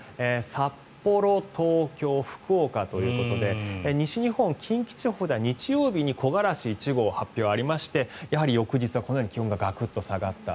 札幌、東京、福岡ということで西日本、近畿地方では日曜日に木枯らし一号の発表ありましてやはり翌日はこのように気温がガクッと下がった。